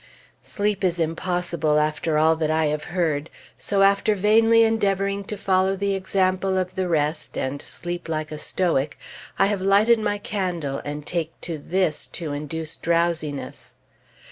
Sleep is impossible after all that I have heard, so, after vainly endeavoring to follow the example of the rest, and sleep like a Stoic, I have lighted my candle and take to this to induce drowsiness.